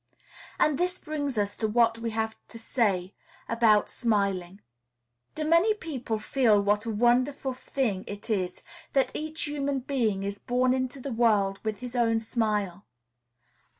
And this brings us to what we have to say about smiling. Do many people feel what a wonderful thing it is that each human being is born into the world with his own smile?